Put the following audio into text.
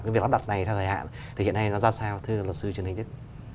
cái việc nó đặt này theo thời hạn thì hiện nay nó ra sao thưa luật sư trần thành tích